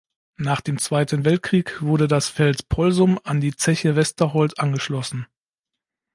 Nach dem Zweiten Weltkrieg wurde das Feld Polsum an die Zeche Westerholt angeschlossen.